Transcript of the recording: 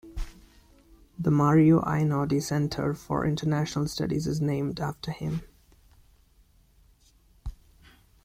The Mario Einaudi Center For International Studies is named after him.